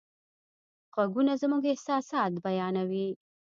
غږونه زموږ احساسات بیانوي.